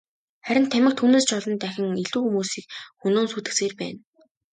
Харин тамхи түүнээс ч олон дахин илүү хүмүүсийг хөнөөн сүйтгэсээр байна.